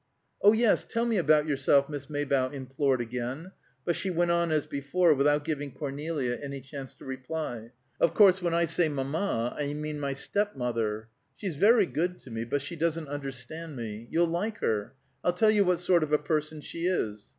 "Oh, yes! Tell me about yourself!" Miss Maybough implored again, but she went on as before without giving Cornelia any chance to reply. "Of course, when I say mamma, I mean my step mother. She's very good to me, but she doesn't understand me. You'll like her. I'll tell you what sort of a person she is."